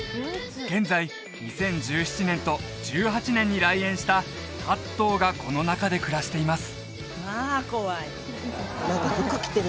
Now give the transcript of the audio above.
現在２０１７年と１８年に来園した８頭がこの中で暮らしています